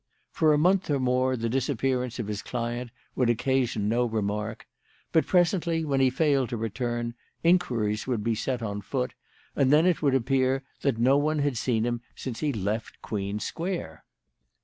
For a month or more the disappearance of his client would occasion no remark. But presently, when he failed to return, inquiries would be set on foot; and then it would appear that no one had seen him since he left Queen Square.